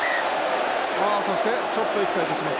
そしてちょっとエキサイトします